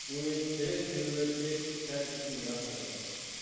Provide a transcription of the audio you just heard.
ئۇنى تېرىك كۆمۈۋېتىش سەن ئۈچۈن ياخشى ئەمەس.